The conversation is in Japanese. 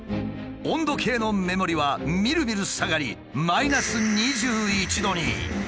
温度計の目盛りはみるみる下がりマイナス２１℃に。